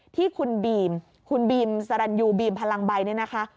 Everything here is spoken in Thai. ที่คุณบีมคุณบีมสรรยูบีมพลังใบเนี่ยนะคะ